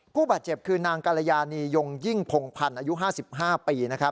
ผู้บาดเจ็บคือนางกรยานียงยิ่งพงพันธ์อายุ๕๕ปี